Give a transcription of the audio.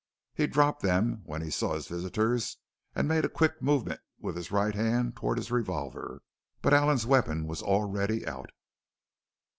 He dropped them when he saw his visitors and made a quick movement with his right hand toward his revolver. But Allen's weapon was already out.